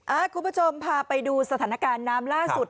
คุณผู้ชมพาไปดูสถานการณ์น้ำล่าสุด